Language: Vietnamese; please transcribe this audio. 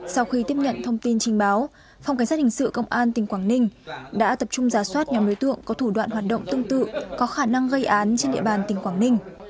sau khi tiếp nhận thông tin trinh báo phòng cảnh sát hình sự công an tỉnh quảng ninh đã tập trung giả soát nhóm đối tượng có thủ đoạn hoạt động tương tự có khả năng gây án trên địa bàn tỉnh quảng ninh